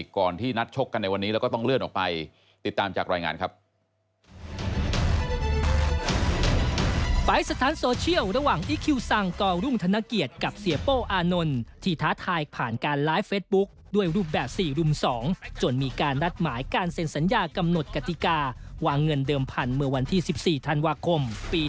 ก่อนที่นัดชกกันในวันนี้เราก็ต้องเลื่อนออกไป